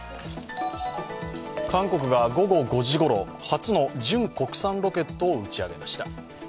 韓国が午後５時ごろ、初の純国産ロケットを打ち上げました。